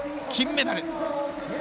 金メダル。